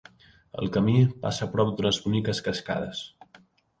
El camí passa prop d'unes boniques cascades.